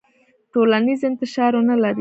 ټولنیز انتشار ونلري.